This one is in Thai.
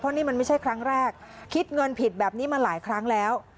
นี่มันไม่ใช่ครั้งแรกคิดเงินผิดแบบนี้มาหลายครั้งแล้ว